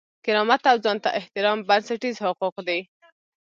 کرامت او ځان ته احترام بنسټیز حقوق دي.